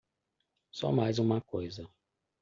Só mais uma coisa.